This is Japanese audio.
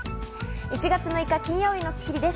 １月６日、金曜日の『スッキリ』です。